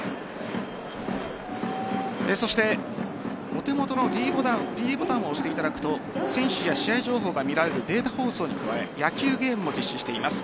お手元のｄボタンを押していただくと選手や試合情報が見られるデータ放送に加え野球ゲームも実施しています。